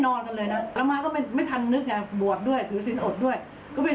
ตอนแรกคนอ่ะเข้ามาด่ามันมากเลยนะเป็นเหมืวยเลยนะ